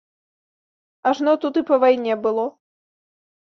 Ажно тут і па вайне было.